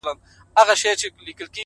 o هغه چي ځان زما او ما د ځان بولي عالمه ـ